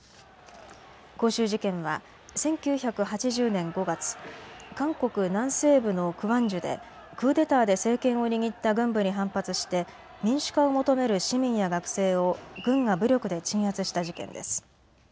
光州事件は１９８０年５月、韓国南西部のクワンジュでクーデターで政権を握った軍部に反発して民主化を求める市民や学生を軍が武力で鎮圧した事件です。